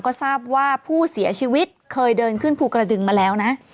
ก็ทราบว่าผู้เสียชีวิตเคยเดินขึ้นภูกระดึงมาแล้วนะ